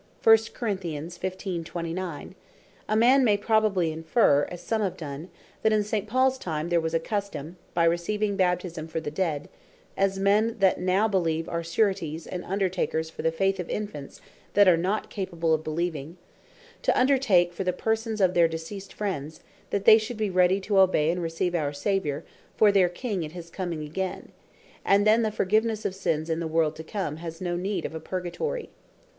a man may probably inferre, as some have done, that in St. Pauls time, there was a custome by receiving Baptisme for the dead, (as men that now beleeve, are Sureties and Undertakers for the Faith of Infants, that are not capable of beleeving,) to undertake for the persons of their deceased friends, that they should be ready to obey, and receive our Saviour for their King, at his coming again; and then the forgivenesse of sins in the world to come, has no need of a Purgatory.